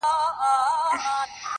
سل زنځیره مي شلولي دي ازاد یم,